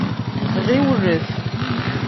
Ɣiwlet.